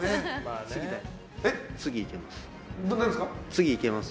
次、いけます。